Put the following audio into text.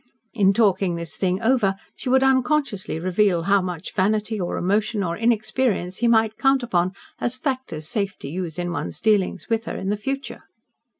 In talking this thing over she would unconsciously reveal how much vanity or emotion or inexperience he might count upon as factors safe to use in one's dealings with her in the future.